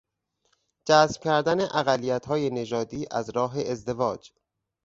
جذب کردن اقلیتهای نژادی از راه ازدواج